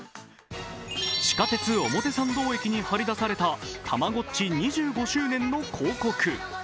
地下鉄表参道駅に張り出されたたまごっち２５周年の広告。